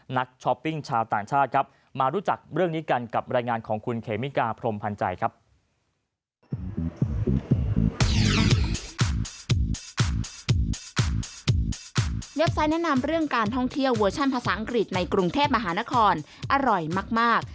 เนี๊ยบซ้ายแนะนำเรื่องการท่องเที่ยวเวอร์ชันภาษาอังกฤษในกรุงเทพมหานครอร่อยมาก